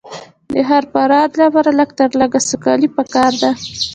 د هر فرد لپاره لږ تر لږه سوکالي پکار ده.